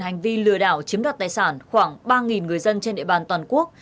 hành vi lừa đảo chiếm đoạt tài sản khoảng ba người dân trên địa bàn toàn quốc